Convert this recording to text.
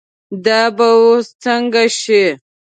دا به اوس څنګه شي.